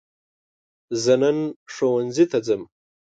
زه نن ښوونځي ته ځم.